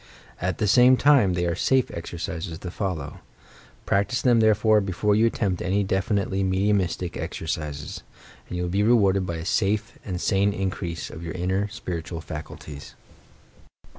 At the same time, they are safe exercises to follow. Practise them, therefore, before you attempt any definitely mediumistic exercises; and you will be rewarded by a safe and sane increase of your inner, spiritual faculties.